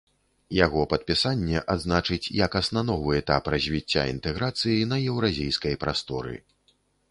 Яго падпісанне адзначыць якасна новы этап развіцця інтэграцыі на еўразійскай прасторы.